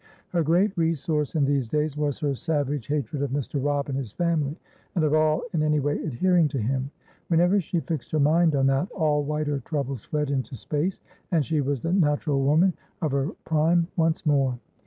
Her great resource in these days was her savage hatred of Mr. Robb and his family, and of all in any way adhering to him. Whenever she fixed her mind on that, all wider troubles fled into space, and she was the natural woman of her prime once more.